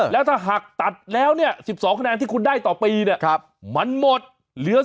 แล้วถ้าหากตัดแล้วเนี่ย๑๒คะแนนที่คุณได้ต่อปีเนี่ยมันหมดเหลือ